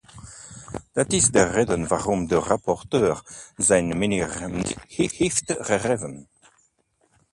Dat is de reden waarom de rapporteur zijn mening niet heeft gegeven.